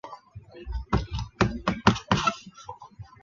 普瓦斯基县是美国乔治亚州中部的一个县。